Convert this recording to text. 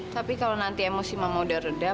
tapi kalau nanti emosi mama udah reda